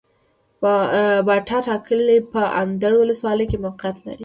باټا کلی په اندړ ولسوالۍ کي موقعيت لري